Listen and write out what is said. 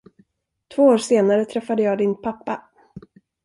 Två år senare träffade jag din pappa.